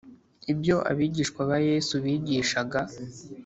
ibyo abigishwa ba Yesu bigishaga.